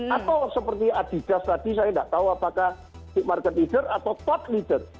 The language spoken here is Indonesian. atau seperti adigas tadi saya tidak tahu apakah market leader atau top leader